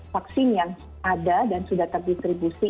vaksin yang ada dan sudah terdistribusi